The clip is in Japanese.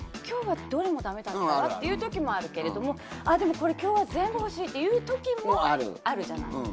今日はどれもだめだったわっていうときもあるけれどもでも今日は全部欲しいっていうときもあるじゃない。